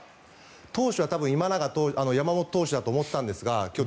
投手は多分、山本投手だと思ってたんですが今日